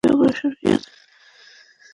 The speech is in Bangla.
পরিসংখ্যান কাজ করে অসংখ্য অণুপরমাণু নিয়ে।